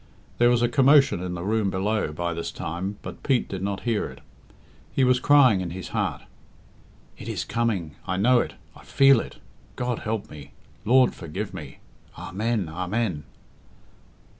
There was a commotion in the room below by this time, but Pete did not hear it. He was crying in his heart. "It is coming! I know it! I feel it! God help me! Lord forgive me! Amen! Amen!"